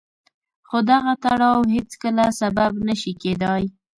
خو دغه تړاو هېڅکله سبب نه شي کېدای.